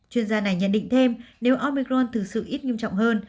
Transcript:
chuyên gia này nhận định thêm nếu omicron thực sự ít nghiêm trọng hơn